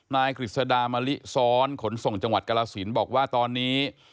กฤษดามะลิซ้อนขนส่งจังหวัดกรสินบอกว่าตอนนี้